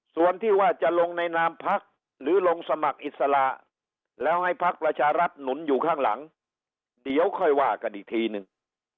ส่วนที่ว่าจะลงในนามพักหรือลงสมัครอิสระแล้วให้พักประชารัฐหนุนอยู่ข้างหลังเดี๋ยวค่อยว่ากันอีกทีนึง